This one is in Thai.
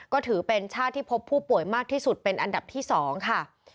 ก็ถือเป็นชาติที่พบผู้ป่วยมากที่สุดเป็นอันดับที่๒ค่ะ